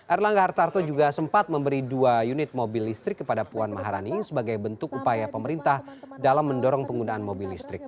erlangga hartarto juga sempat memberi dua unit mobil listrik kepada puan maharani sebagai bentuk upaya pemerintah dalam mendorong penggunaan mobil listrik